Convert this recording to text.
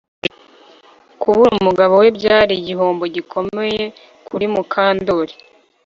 Kubura umugabo we byari igihombo gikomeye kuri Mukandoli